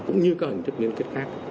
cũng như các hình thức liên kết khác